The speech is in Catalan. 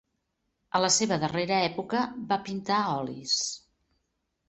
A la seva darrera època, va pintar olis.